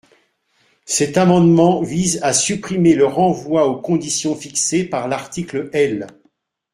Cet amendement vise à supprimer le renvoi aux conditions fixées par l’article L.